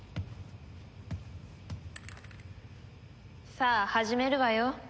さあ始めるわよ。